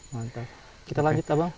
mantap kita lanjut abang